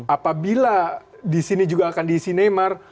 apabila di sini juga akan diisi neymar